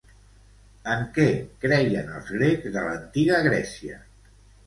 En què creien els grecs de l'Antiga Grècia?